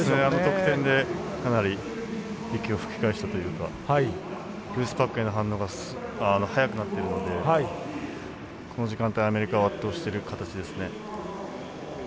あの得点でかなり息を吹き返したというかルーズパックへの反応が早くなっているのでこの時間帯にアメリカを圧倒している形ですね。